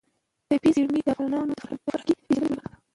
طبیعي زیرمې د افغانانو د فرهنګي پیژندنې برخه ده.